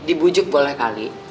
dibujuk boleh kali